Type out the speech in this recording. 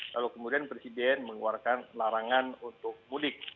lalu kemudian presiden mengeluarkan larangan untuk mudik